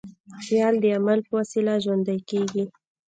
خیال د عمل په وسیله ژوندی کېږي.